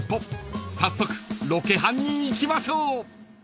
［早速ロケハンに行きましょう］